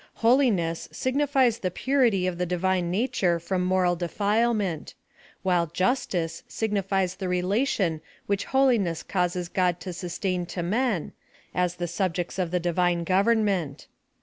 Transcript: Holiness signifies the purity of the Divine nature from moral defilement ; while justice signi fies the relation which holiness causes God to sus tain to men, as the subjects of the Divine govern ment.